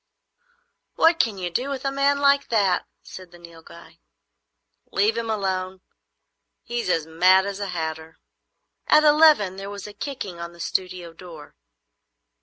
"What can you do with a man like that?" said the Nilghai. "Leave him alone. He's as mad as a hatter." At eleven there was a kicking on the studio door.